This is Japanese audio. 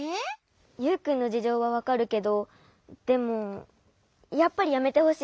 ユウくんのじじょうはわかるけどでもやっぱりやめてほしい。